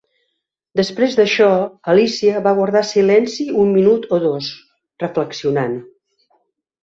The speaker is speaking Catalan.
Després d'això, Alícia va guardar silenci un minut o dos, reflexionant.